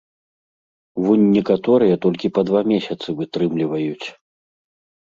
Вунь некаторыя толькі па два месяцы вытрымліваюць.